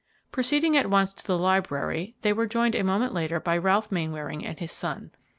Proceeding at once to the library, they were joined a moment later by Ralph Mainwaring and his son.